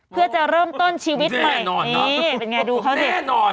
เพื่อจะเริ่มต้นชีวิตใหม่แน่นอนน่ะนี่เป็นไงดูเขาสิแน่นอน